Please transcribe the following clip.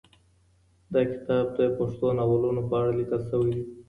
دا کتاب د پښتو ناولونو په اړه لیکل شوی دی.